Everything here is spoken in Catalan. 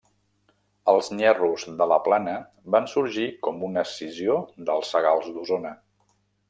Els Nyerros de la Plana van sorgir com una escissió dels Sagals d'Osona.